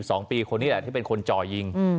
คนนี้แหละที่เป็นคนจ่อยยิง